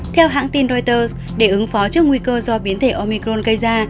theo hãng tin reuters để ứng phó trước nguy cơ do biến thể omicron gây ra